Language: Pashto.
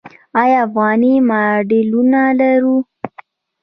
آیا افغاني ماډلونه لرو؟